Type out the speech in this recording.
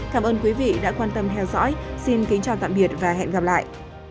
cảm ơn quý vị đã quan tâm theo dõi xin kính chào tạm biệt và hẹn gặp lại